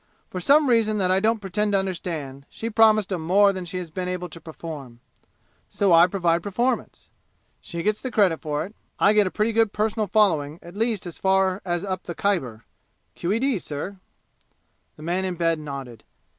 For some reason that I don't pretend to understand, she promised 'em more than she has been able to perform. So I provide performance. She gets the credit for it. I get a pretty good personal following at least as far as up the Khyber! Q.E.D., sir!" The man in bed nodded.